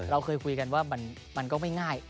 เราเคยคุยกันว่ามันก็ไม่ง่าย